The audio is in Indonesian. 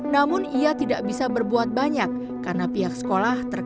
namun ia tidak bisa berbuat banyak karena pihak sekolah terkenal